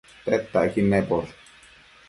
Tedtacquid naposh